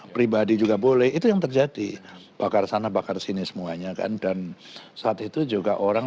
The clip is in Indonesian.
pribadi juga boleh itu yang terjadi bakar sana bakar sini semuanya kan dan saat itu juga orang